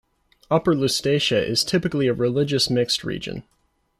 Upper Lusatia is typically a religious mixed region.